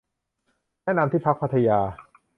แนะนำที่พักพัทยา